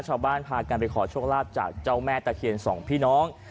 ชาวบ้านพากันไปขอโชคลาภจากเจ้าแม่ตะเคียนสองพี่น้อง